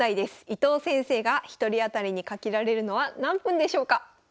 伊藤先生が１人当たりにかけられるのは何分でしょうか。